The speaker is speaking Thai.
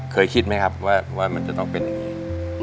เคยคิดไหมครับว่ามันจะต้องเป็นอย่างนี้